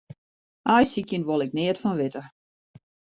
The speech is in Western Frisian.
Aaisykjen wol ik neat fan witte.